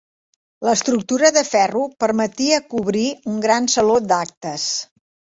L'estructura de ferro permetia cobrir un gran saló d'actes.